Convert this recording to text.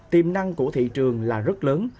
tiềm năng của thị trường là rất lớn